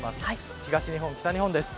東日本、北日本です。